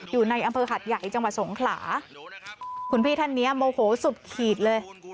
อยู่ในอำเภอหัดใหญ่จังหวัดสงขลาคุณพี่ท่านเนี้ยโมโหสุดขีดเลย